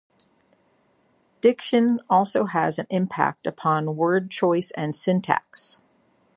Diction also has an impact upon word choice and syntax.